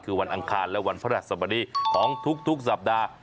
คือวันอังคารและวันพระราชสมดีของทุกสัปดาห์